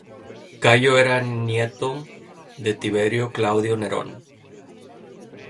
Gayo era nieto de Tiberio Claudio Nerón.